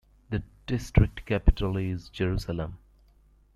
The district capital is Jerusalem.